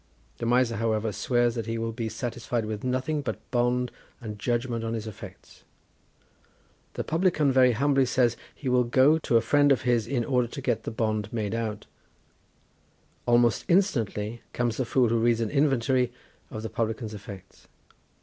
The Miser, however, swears that he will be satisfied with nothing but bond and judgment on his effects. The publican very humbly says that he will go to a friend of his, in order to get the bond made out; almost instantly comes the Fool, who reads an inventory of the publican's effects.